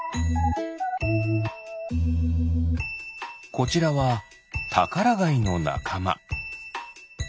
こちらはタカラガイのなかま。